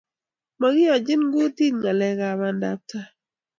Mokiyonchin kotet ngalekab bandap tai